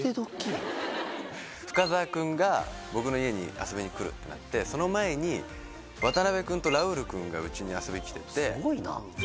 深澤君が僕の家に遊びに来るってなってその前に渡辺君とラウール君が家に遊び来てて。